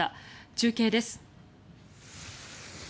中継です。